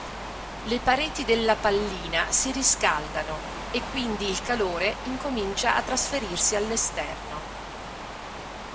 Le pareti della pallina si riscaldano e quindi il calore incomincia a trasferirsi all'esterno.